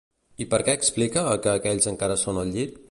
I per què explica que aquells encara són al llit?